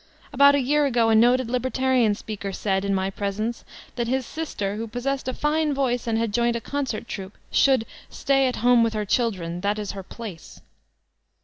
About a year ago a noted libertarian speaker said, in my presence, that his sister* who possessed a fine voice and had joined a con 3SO VOLTAUUNE DE ClEYSE cert troupe, should ''stay at home with her chfldren; that is her place."